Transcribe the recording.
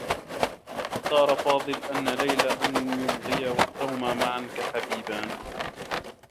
اختارا فاضل أن ليلى أن يمضيا وقتهما معا كحبيبان.